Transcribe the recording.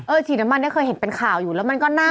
ฉีดน้ำมันเนี่ยเคยเห็นเป็นข่าวอยู่แล้วมันก็น่า